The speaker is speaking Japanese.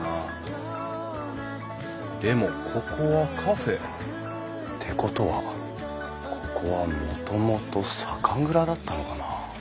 でもここはカフェってことはここはもともと酒蔵だったのかな？